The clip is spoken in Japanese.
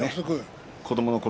子どものころ